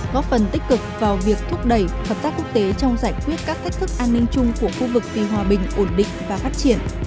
góp phần tích cực vào việc thúc đẩy hợp tác quốc tế trong giải quyết các thách thức an ninh chung của khu vực vì hòa bình ổn định và phát triển